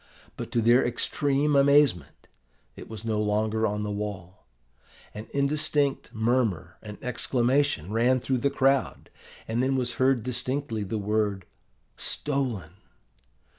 But, to their extreme amazement, it was no longer on the wall. An indistinct murmur and exclamation ran through the crowd, and then was heard distinctly the word, "stolen."